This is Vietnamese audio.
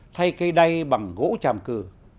thay cây đay bằng gỗ chàm cừ